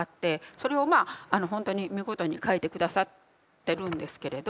それをまあほんとに見事に書いて下さってるんですけれど。